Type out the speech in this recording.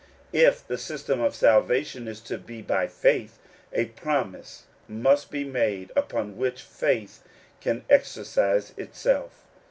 If the system of salvation is to be by faith, a promise must be made upon which faith can exercise itself.